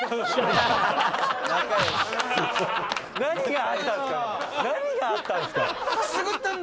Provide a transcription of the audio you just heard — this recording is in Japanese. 「何があったんですか！？」